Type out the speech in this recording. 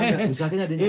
bisa kan ada nyari